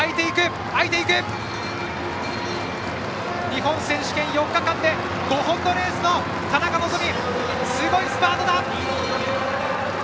日本選手権４日間で５本のレースの田中希実、すごいスパートだ！